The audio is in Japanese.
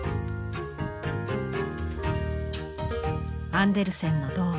アンデルセンの童話